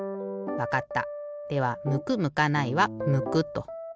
わかった。